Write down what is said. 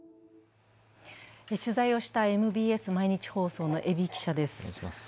取材をしたＭＢＳ毎日放送の海老記者です。